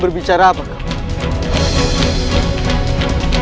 berbicara apa kau